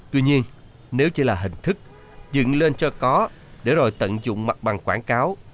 tuy nhiên nếu chỉ là hình thức dựng lên cho có để rồi tận dụng mặt bằng quảng cáo